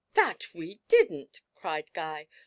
'That we didn't,' cried Guy.